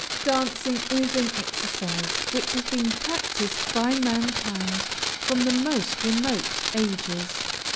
Dancing is an exercise which has been practiced by mankind from the most remote ages.